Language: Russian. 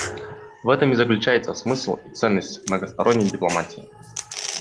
В этом и заключается смысл и ценность многосторонней дипломатии.